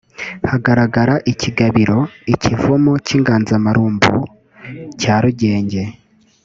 Hagaragara ikigabiro (ikivumu cy’inganzamarumbu) cya Rugenge